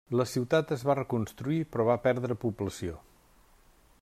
La ciutat es va reconstruir però va perdre població.